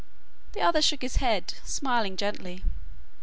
The other shook his head, smiling gently.